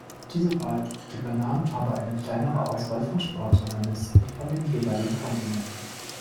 Diese Wahl übernahm aber eine kleinere Auswahl von Sportjournalisten von dem jeweiligen Kontinent.